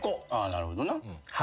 なるほどな。